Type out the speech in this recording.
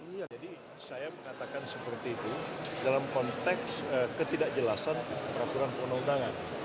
jadi saya mengatakan seperti itu dalam konteks ketidakjelasan peraturan penoldangan